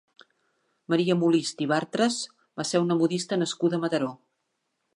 Maria Molist i Bartres va ser una modista nascuda a Mataró.